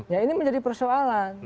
ya ini menjadi persoalan